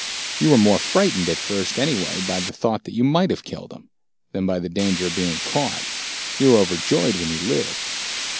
You were more frightened, at first, anyway, by the thought that you might have killed him, than by the danger of being caught. You were overjoyed when he lived.